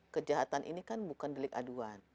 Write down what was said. kejahatan ini kan bukan delik aduan